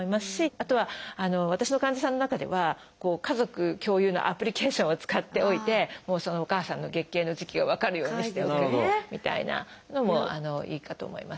あとは私の患者さんの中では家族共有のアプリケーションを使っておいてそのお母さんの月経の時期を分かるようにしておけるみたいなのもいいかと思います。